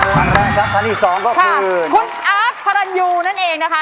แล้วก็คุณคุณอัคภรรณอยูนั้นเองนะคะ